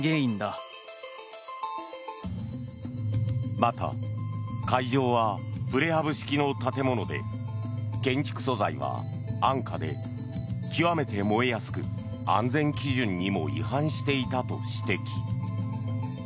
また、会場はプレハブ式の建物で建築素材は安価で極めて燃えやすく安全基準にも違反していたと指摘。